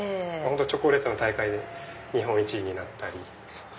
チョコレートの大会で日本１位になったり。